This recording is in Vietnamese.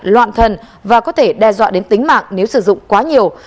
loạn thần và có thể đe dọa đến tính mạng nếu sử dụng quá nhiều